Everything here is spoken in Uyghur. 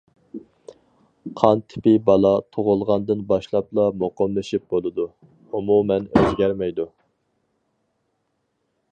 قان تىپى بالا تۇغۇلغاندىن باشلاپلا مۇقىملىشىپ بولىدۇ، ئومۇمەن ئۆزگەرمەيدۇ.